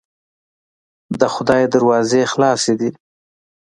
د خدای دروازې خلاصې دي.